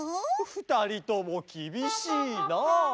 ふたりともきびしいなあ。